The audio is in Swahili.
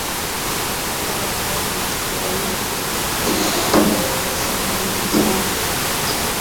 Katika taarifa iliyotolewa Jumatatu jioni na msemaji wa jeshi la KONGO Brigedia Sylvain Ekenge, jeshi la Jamhuri ya kidemokrasia ya Kongo lilisema kwamba.